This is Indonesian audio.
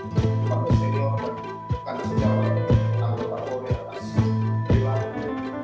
pembangunan senior kan sejauh tanggung tanggung yang terlalu berat